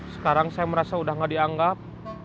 sekarang saya merasa udah gak dianggap